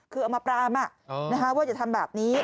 คือเอามาปรามว่าอย่าทำแบบนี้